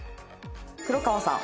黒川さん。